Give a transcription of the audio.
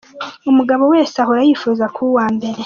Umugabo wese ahora yifuza kuba uwambere.